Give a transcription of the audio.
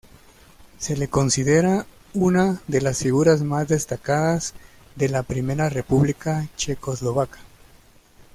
Se le considera una de las figuras más destacadas de la primera república checoslovaca.